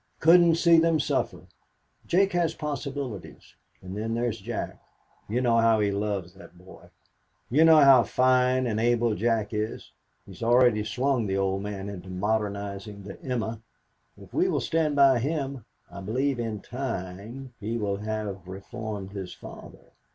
Couldn't see them suffer. Jake has possibilities. And then there is Jack. You know how he loves that boy. You know how fine and able Jack is. He has already swung the old man into modernizing the 'Emma.' If we will stand by him, I believe in time he will have reformed his father.